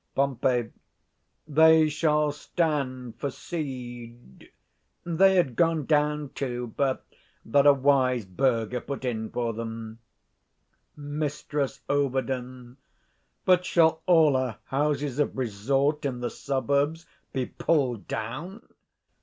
Pom. They shall stand for seed: they had gone down too, but that a wise burgher put in for them. 95 Mrs Ov. But shall all our houses of resort in the suburbs be pulled down?